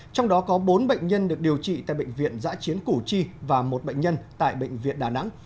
trong đó có bốn bệnh nhân được điều trị tại bệnh viện giã chiến củ chi và một bệnh nhân tại bệnh viện đà nẵng